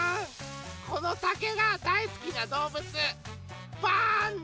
このたけがだいすきなどうぶつパーンダ？